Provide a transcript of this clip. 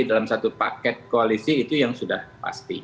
dalam satu paket koalisi itu yang sudah pasti